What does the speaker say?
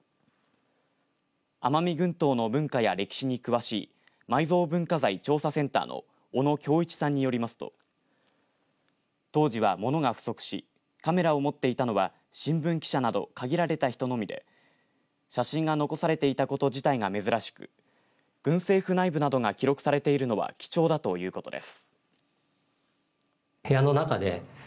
奄美群島の文化や歴史に詳しい埋蔵文化財調査センターの小野恭一さんによりますと当時は、ものが不足しカメラを持っていたのは新聞記者など限られた人のみで写真が残されていたこと自体が珍しく軍政府内部などが記録されているのは貴重だということです。